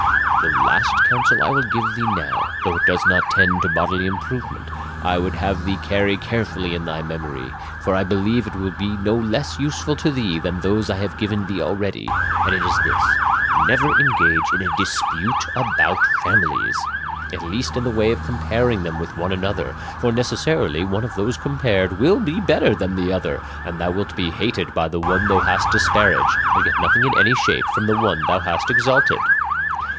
"The last counsel I will give thee now, though it does not tend to bodily improvement, I would have thee carry carefully in thy memory, for I believe it will be no less useful to thee than those I have given thee already, and it is this never engage in a dispute about families, at least in the way of comparing them one with another; for necessarily one of those compared will be better than the other, and thou wilt be hated by the one thou hast disparaged, and get nothing in any shape from the one thou hast exalted.